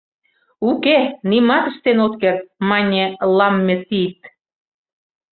— Уке, нимат ыштен от керт! — мане Ламме Тийт.